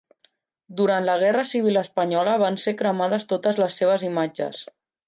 Durant la guerra civil espanyola van ser cremades totes les seves imatges.